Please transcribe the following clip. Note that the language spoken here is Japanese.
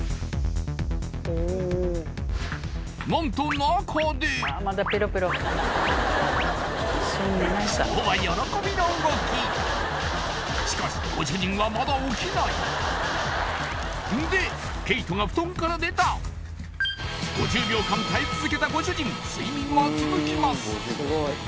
何と中でシッポは喜びの動きしかしご主人はまだ起きないんでケイトが布団から出た５０秒間耐え続けたご主人睡眠は続きます